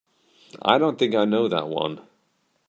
I don't think I know that one.